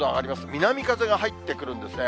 南風が入ってくるんですね。